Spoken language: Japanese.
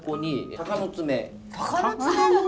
鷹の爪？